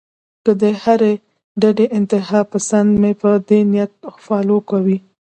کۀ د هرې ډډې انتها پسند مې پۀ دې نيت فالو کوي